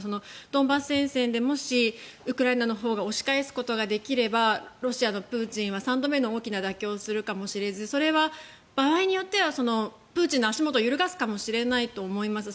ドンバス戦線でもしウクライナのほうが押し返すことができればロシアがプーチンが、３度目の大きな妥協をするかもしれずそれは場合によってはプーチンの足元を揺るがすかもしれないと思います